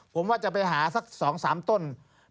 ผมว่าจะไปหาสัก๒๓ต้น